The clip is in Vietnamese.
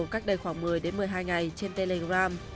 cách đây khoảng một mươi một mươi hai ngày trên telegram